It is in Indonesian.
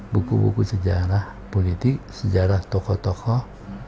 buku buku sejarah politik sejarah tokoh tokoh